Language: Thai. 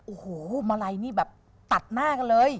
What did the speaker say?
โอ้โหมาลัยนี่แบบตัดหน้ากันเลย